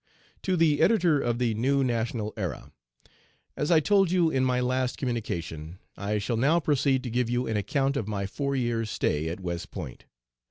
To the Editor of the New National Era: As I told you in my last communication, I shall now proceed to give you an account of my four years' stay at West Point.